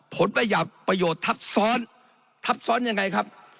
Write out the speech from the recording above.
ประหยัดประโยชน์ทับซ้อนทับซ้อนยังไงครับ